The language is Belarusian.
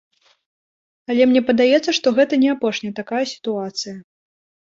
Але мне падаецца, што гэта не апошняя такая сітуацыя.